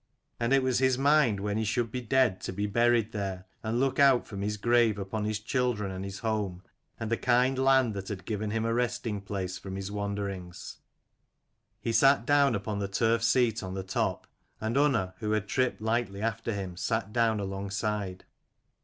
And it was his mind when he should be dead to be buried there and look out from his grave upon his children and his home, and the kind land that had given him a resting place from his wanderings. He sat down upon the turf seat on the top, and Unna, who had tripped lightly after him, sat down alongside.